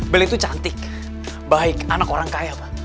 beli itu cantik baik anak orang kaya pak